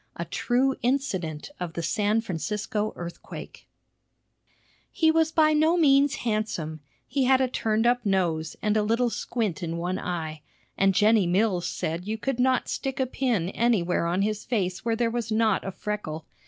A TRUE INCIDENT OF THE SAN FRANCISCO EARTHQUAKE He was by no means handsome; he had a turned up nose, and a little squint in one eye; and Jennie Mills said you could not stick a pin anywhere on his face where there was not a freckle.